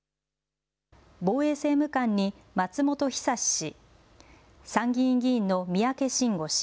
防衛政務官に松本尚氏、参議院議員の三宅伸吾氏。